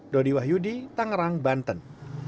dodi wahyudi tangerang banten